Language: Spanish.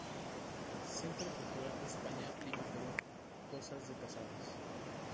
Centro" Cultural de España, Lima, Perú; Cosas de Casados.